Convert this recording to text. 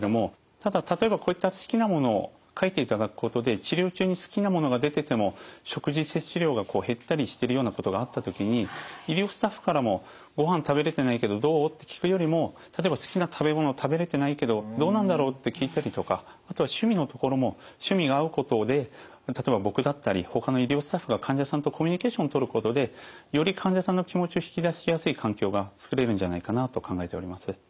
ただ例えばこういった好きなものを書いていただくことで治療中に好きなものが出てても食事摂取量が減ったりしてるようなことがあった時に医療スタッフからも「ごはん食べれてないけどどう？」って聞くよりも例えば「好きな食べ物食べれてないけどどうなんだろう」って聞いたりとかあとは趣味のところも趣味が合うことで例えば僕だったりほかの医療スタッフが患者さんとコミュニケーションを取ることでより患者さんの気持ちを引き出しやすい環境が作れるんじゃないかなと考えております。